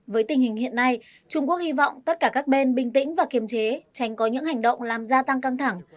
với tình hình hiện nay trung quốc hy vọng tất cả các bên bình tĩnh và kiềm chế tránh có những hành động làm gia tăng căng thẳng